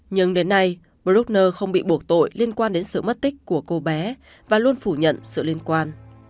nhưng đến nay brugner không bị buộc tội liên quan đến sự mất tích của cô bé và luôn phủ nhận sự liên quan